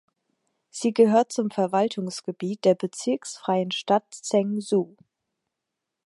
Sie gehört zum Verwaltungsgebiet der bezirksfreien Stadt Zhengzhou.